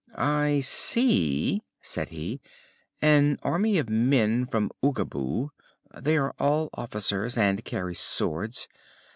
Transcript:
"I see," said he, "an army of men from Oogaboo. They are all officers and carry swords.